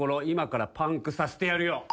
今からパンクさせてやるよ」